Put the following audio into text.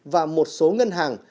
và một số ngân hàng